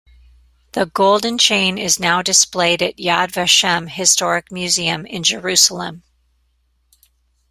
The golden chain is now displayed at Yad Vashem Historic museum in Jerusalem.